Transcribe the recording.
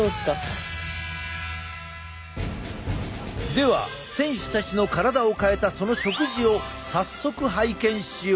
では選手たちの体を変えたその食事を早速拝見しよう！